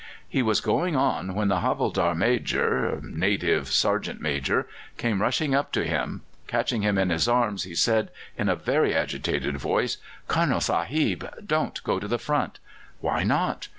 He was going on when the havildar major (native sergeant major) came rushing up to him. Catching him in his arms, he said in a very agitated voice: "Colonel Sahib, don't go to the front." "Why not?"